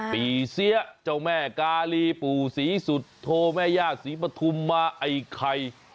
เสียเจ้าแม่กาลีปู่ศรีสุโธแม่ย่าศรีปฐุมมาไอ้ไข่